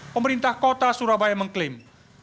pemerintah kota surabaya mengklaim